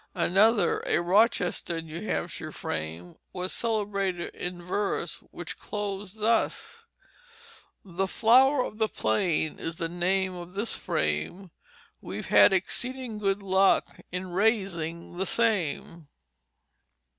Another, a Rochester, New Hampshire, frame was celebrated in verse which closed thus: "The Flower of the Plain is the name of this Frame, We've had exceeding good Luck in raising the Same."